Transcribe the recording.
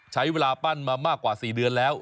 ใช้เวลาปั้นมามากกว่า๔เดือนแล้ว